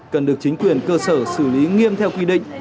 cần được chính quyền cơ sở xử lý nghiêm theo quy định